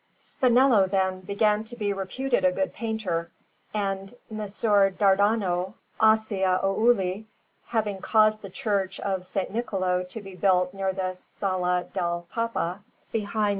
Spinello, then, began to be reputed a good painter, and Messer Dardano Acciaiuoli, having caused the Church of S. Niccolò to be built near the Sala del Papa, behind S.